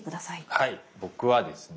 はい僕はですね